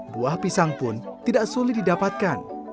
buah pisang pun tidak sulit didapatkan